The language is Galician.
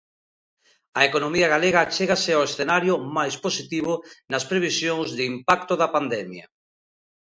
A economía galega achégase ao escenario "máis positivo" nas previsións de impacto da pandemia.